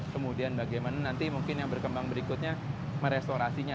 kemudian bagaimana nanti mungkin yang berkembang berikutnya merestorasinya